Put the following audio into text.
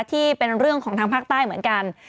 ที่เป็นเรื่องของทางภาคใต้เหมือนกัน